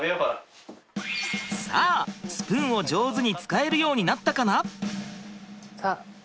さあスプーンを上手に使えるようになったかな？